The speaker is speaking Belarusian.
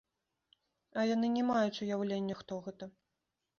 А яны не маюць уяўлення, хто гэта!